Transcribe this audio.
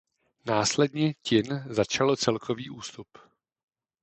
Následně Ťin začalo celkový ústup.